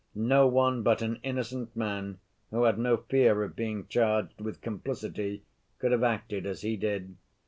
No one but an innocent man, who had no fear of being charged with complicity, could have acted as he did.